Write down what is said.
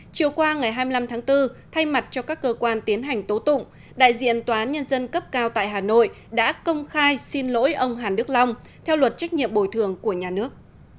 chiều qua ngày hai mươi năm tháng bốn thay mặt cho các cơ quan tiến hành tố tụng đại diện tòa án nhân dân cấp cao tại hà nội đã công khai xin lỗi ông hàn đức long theo luật trách nhiệm bồi thường của nhà nước